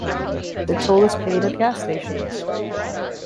The toll is paid at gas stations.